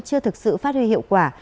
chưa thực sự phát huy hiệu quả